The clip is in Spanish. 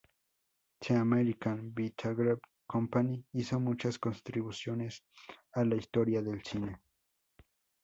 The American Vitagraph Company hizo muchas contribuciones a la historia del cine.